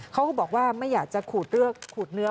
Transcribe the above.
เขาก็บอกว่าไม่อยากจะขูดขูดเนื้อ